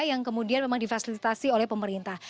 yang kemudian memang difasilitasi oleh pemerintah